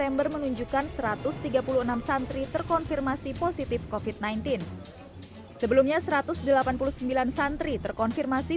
menunjukkan satu ratus tiga puluh enam santri terkonfirmasi positif kofit sembilan belas sebelumnya satu ratus delapan puluh sembilan santri terkonfirmasi